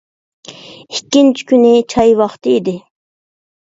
ئىككىنچى كۈنى چاي ۋاقتى ئىدى.